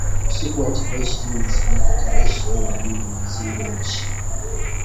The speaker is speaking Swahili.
Usiku wa tarehe ishirini na saba na tarehe ishirini nane mwezi Machi